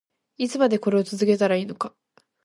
いつまでこれを続けたらいいのか